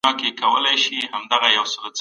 هغه به د خوب عادت جوړ کړی وي.